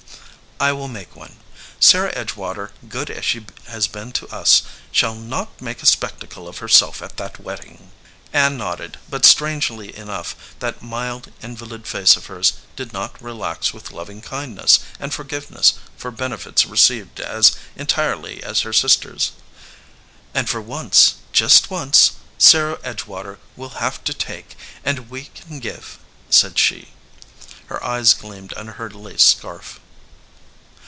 "I will make one. Sarah Edgewater, good as she has been to us, shall not make a spectacle of herself at that wedding." Ann nodded, but strangely enough, that mild in valid face of hers did not relax with loving kind ness and forgiveness for benefits received as en tirely as her sister s. "And for once, just once, Sarah Edgewater will have to take, and we can give," said she. Her eyes gleamed under her lace scarf.